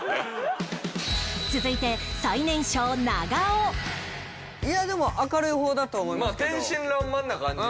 続いてでも明るい方だと思いますけど。